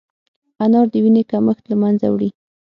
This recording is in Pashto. انار د وینې کمښت له منځه وړي.